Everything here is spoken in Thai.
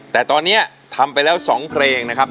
แต่ตอนนี้ทำไปแล้ว๒เพลงนะครับ